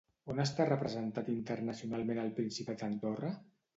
On està representat internacionalment el Principat d'Andorra?